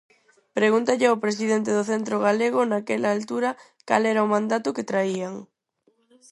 Pregúntelle ao presidente do Centro Galego naquela altura cal era o mandato que traían.